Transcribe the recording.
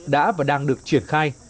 đã và đang được triển khai